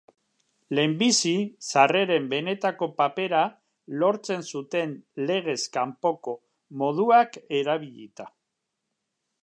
Lehenbizi, sarreren benetako papera lortzen zuten legez kanpoko moduak erabilita.